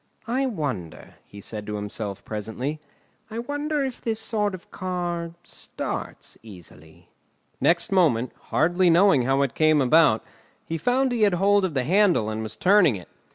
"I wonder," he said to himself presently, "I wonder if this sort of car starts easily?" Next moment, hardly knowing how it came about, he found he had hold of the handle and was turning it.